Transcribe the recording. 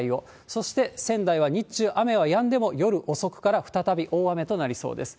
そして仙台は日中、雨はやんでも夜遅くから再び大雨となりそうです。